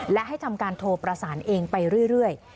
และให้ทำการโทรประสานเองไปเรื่อย